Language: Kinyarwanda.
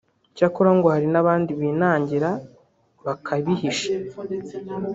cyakora ngo hari n’abandi binangira bakabihisha